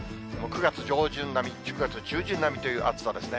９月上旬並み、９月中旬並みという暑さですね。